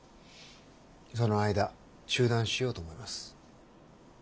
その間中断しようと思います。